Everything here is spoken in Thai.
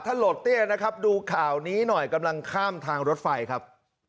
โหลดเตี้ยนะครับดูข่าวนี้หน่อยกำลังข้ามทางรถไฟครับ